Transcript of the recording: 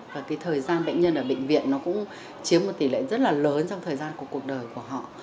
và cái thời gian bệnh nhân ở bệnh viện nó cũng chiếm một tỷ lệ rất là lớn trong thời gian của cuộc đời của họ